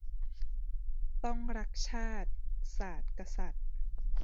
ต้องรัก ชาติ ศาสน์ กษัตริย์